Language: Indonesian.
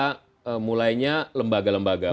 karena mulainya lembaga lembaga